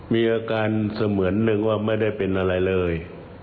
มีอาการเสมือนหนึ่งว่าไม่ได้เป็นอะไรเลย